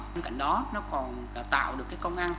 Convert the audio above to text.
bên cạnh đó nó còn tạo được công ngăn